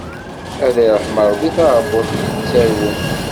Ad irḥem Ṛebbi taɛebbuḍt yettarwen.